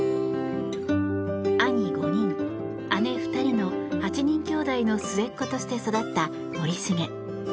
兄５人、姉２人の８人きょうだいの末っ子として育った森重。